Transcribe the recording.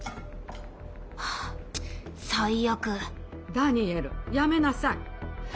ダニエルやめなさい。